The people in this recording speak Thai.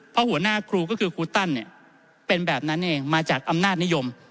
เพราะหัวหน้าครูก็คือครูตั้นเป็นแบบนั้นเองมาจากอำนาจนิยม